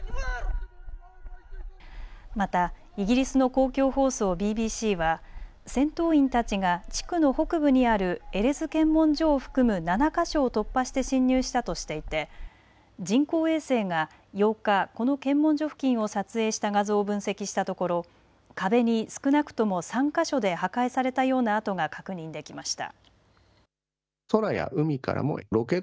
またイギリスの公共放送ＢＢＣは戦闘員たちが地区の北部にあるエレズ検問所を含む７か所を突破して侵入したとしていて人工衛星が８日、この検問所付近を撮影した画像を分析したところ壁に少なくとも３か所で破壊されたような跡が確認できました。